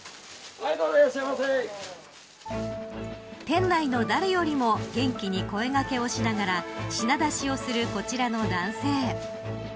店内の誰よりも元気に声掛けをしながら品出しをするこちらの男性。